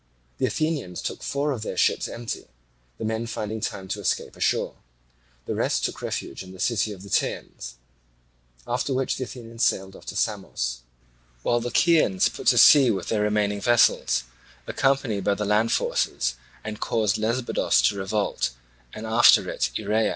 The Athenians took four of their ships empty, the men finding time to escape ashore; the rest took refuge in the city of the Teians; after which the Athenians sailed off to Samos, while the Chians put to sea with their remaining vessels, accompanied by the land forces, and caused Lebedos to revolt, and after it Erae.